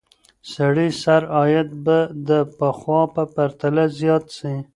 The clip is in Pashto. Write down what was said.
سړي سر عاید به د پخوا په پرتله زیات سي.